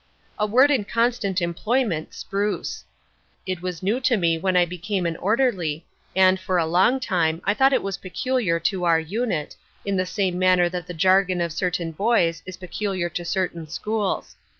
A word in constant employment, "spruce"! It was new to me when I became an orderly, and for a long time I thought that it was peculiar to our unit, in the same manner that the jargon of certain boys is peculiar to certain schools.